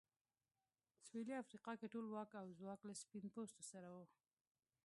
سوېلي افریقا کې ټول واک او ځواک له سپین پوستو سره و.